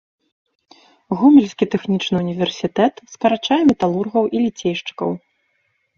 Гомельскі тэхнічны ўніверсітэт скарачае металургаў і ліцейшчыкаў.